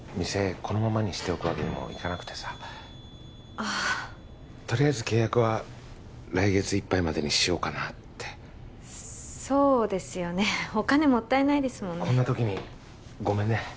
このままにしておくわけにもいかなくてさああとりあえず契約は来月いっぱいまでにしようかなってそうですよねお金もったいないですもんねこんな時にごめんね